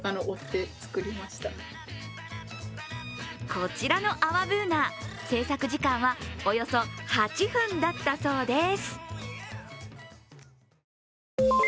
こちらの泡Ｂｏｏｎａ、制作時間はおよそ８分だったそうです。